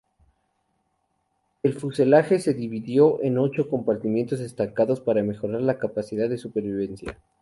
El fuselaje se dividió en ocho compartimentos estancos para mejorar la capacidad de supervivencia.